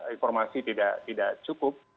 informasi tidak cukup